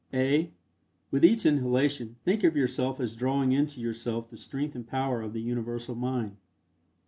(a) With each inhalation, think of yourself as drawing in to yourself the strength and power of the Universal Mind.